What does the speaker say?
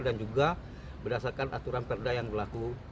dan juga berdasarkan aturan perda yang berlaku